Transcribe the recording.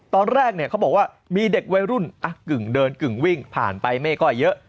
ตอนแรกเนี่ยเขาบอกว่ามีเด็กวัยรุ่นกึ่งเดินกึ่งวิ่งผ่านไปไม่ค่อยเยอะ